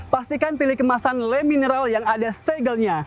pastikan pilih kemasan lemineral yang ada segelnya